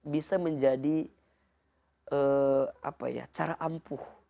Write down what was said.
bisa menjadi cara ampuh